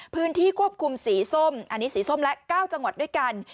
พื้นที่ควบคุมสีส้มอันนี้สีส้มและ๙จังหวัดด้วยกัน